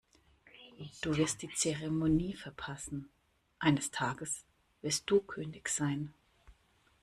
Du wirst die Zeremonie verpassen. Eines Tages wirst du König sein.